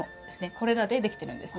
これらで出来ているんですね。